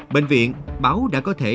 bệnh viện báo đã có thể